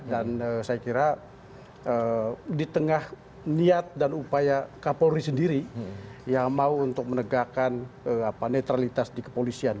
dan saya kira di tengah niat dan upaya kapolri sendiri yang mau untuk menegakkan netralitas di kepolisian